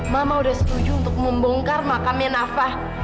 mama udah setuju untuk membongkar makamnya nafa